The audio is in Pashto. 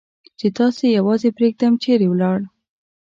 چې تاسې یوازې پرېږدم، چېرې ولاړ؟